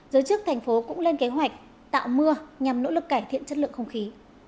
giới chức thành phố cũng lên kế hoạch tạo mưa nhằm nỗ lực cải thiện chất lượng không khí